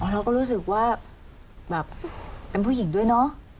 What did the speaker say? เราก็รู้สึกว่าแบบเป็นผู้หญิงด้วยเนอะ